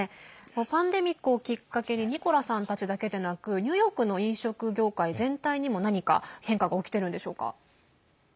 パンデミックをきっかけにニコラさんたちだけでなくニューヨークの飲食業界全体にも何か変化が起きてるんでしょうか。